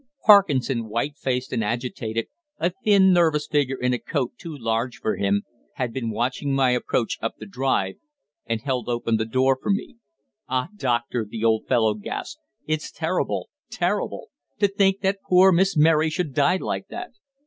Parkinson, white faced and agitated, a thin, nervous figure in a coat too large for him, had been watching my approach up the drive, and held open the door for me. "Ah, Doctor!" the old fellow gasped. "It's terrible terrible! To think that poor Miss Mary should die like that!"